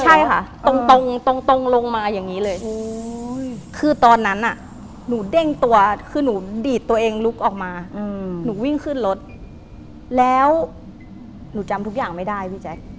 ใช่ค่ะตรงตรงลงมาอย่างนี้เลยคือตอนนั้นน่ะหนูเด้งตัวคือหนูดีดตัวเองลุกออกมาหนูวิ่งขึ้นรถแล้วหนูจำทุกอย่างไม่ได้พี่แจ๊ค